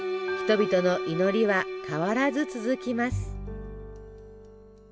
人々の祈りは変わらず続きます。